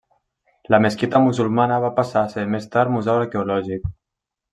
La mesquita musulmana va passar a ser més tard museu arqueològic.